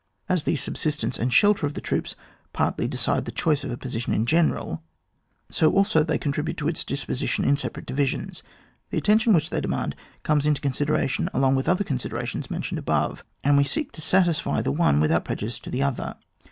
As the subsistence and shelter of the troops partly decide the choice of a posi tion in general, so also they contribute to a disposition in separate divisions. The attention which they demand comes into consideration along with the other considerations above mentioned ; and we seek to satisfy the one without prejudice to the other.